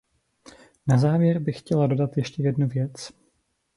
Na závěr bych chtěla dodat ještě jednu věc.